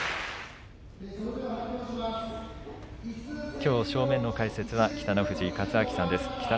きょう正面の解説は北の富士勝昭さんです。